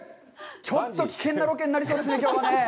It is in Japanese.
ちょっと危険なロケになりそうですね、きょうはねぇ。